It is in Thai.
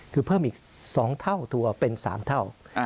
คือเพิ่มอีก๒เท่าตัวเป็น๓เท่า